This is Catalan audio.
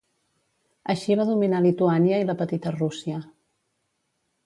Així va dominar Lituània i la Petita Rússia.